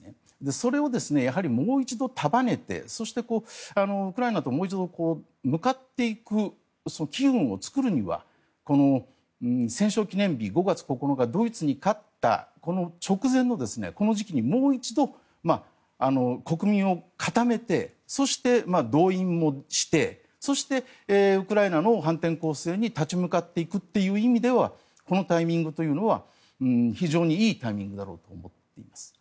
それをやはりもう一度束ねてそして、ウクライナともう一度向かっていく機運を作るには戦勝記念日、５月９日ドイツに勝ったこの直前のこの時期にもう一度、国民を固めてそして動員もしてそしてウクライナの反転攻勢に立ち向かって行くという意味ではこのタイミングというのは非常にいいタイミングだろうと思います。